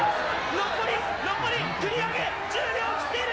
残り、残り、繰り上げ、１０秒を切っている。